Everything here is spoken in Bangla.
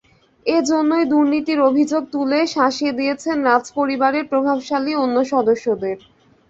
এ জন্যই দুর্নীতির অভিযোগ তুলে শাসিয়ে দিয়েছেন রাজপরিবারের প্রভাবশালী অন্য সদস্যদের।